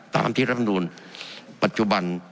ตามที่รัฐมนูลปัจจุบัน